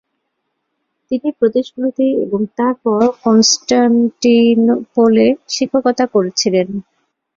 তিনি প্রদেশগুলিতে এবং তারপর কনস্টান্টিনোপলে শিক্ষকতা করেছিলেন।